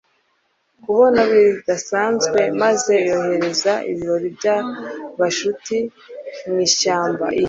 kubona bidasanzwe, maze yohereza ibirori by'abaskuti mu ishyamba. iyo